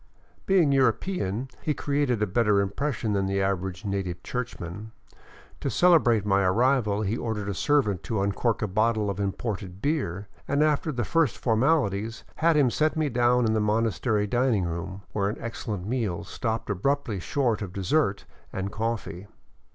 Being a European, he created a better impression than the average native churchman. To celebrate my arrival he ordered a servant to uncork a bottle of imported beer and, after the first formaHties, had him set me down in the monastery din ing room, where an excellent meal stopped abruptly short of dessert and coffee.